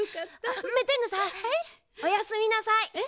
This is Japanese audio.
あメテングさん。はい？おやすみなさい。え？